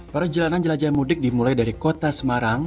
perjalanan jelajah mudik dimulai dari kota semarang